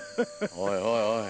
おいおいおい。